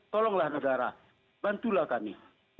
tolonglah negara bantulah kami